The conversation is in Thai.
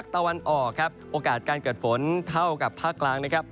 ตะวันออกครับโอกาสการเกิดฝนเท่ากับภาคกลางนะครับ